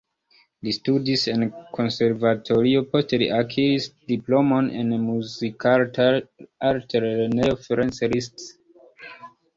Li studis en konservatorio, poste li akiris diplomon en Muzikarta Altlernejo Ferenc Liszt.